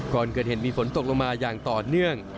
ก่อนเกิดเหตุมีฝนตกลงมาอย่างต่อเนื่อง